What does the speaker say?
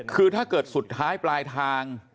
คือถ้าเกิดสุดท้ายปลายทาง